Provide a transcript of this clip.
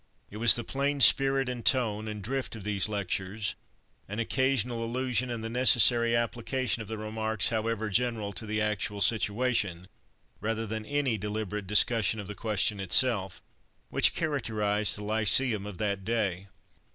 It was the plain spirit and tone and drift of those lectures, an occasional allusion and the necessary application of the remarks, however general, to the actual situation, rather than any deliberate discussion of the question itself, which characterized the lyceum of that day.